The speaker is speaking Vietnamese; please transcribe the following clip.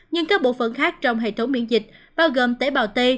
nhưng các bộ phận khác trong hệ thống miễn dịch bao gồm tế bào t